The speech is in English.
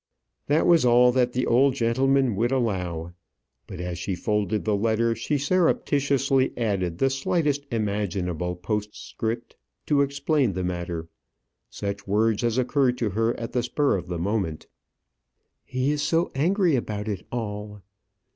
That was all that the old gentleman would allow; but as she folded the letter, she surreptitiously added the slightest imaginable postscript to explain the matter such words as occurred to her at the spur of the moment. "He is so angry about it all!"